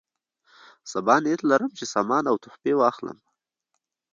صبا نیت لرم چې سامان او تحفې واخلم.